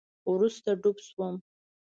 وروسته ډوب شوم